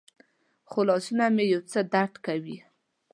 خو لاسونه مې یو څه درد کوي.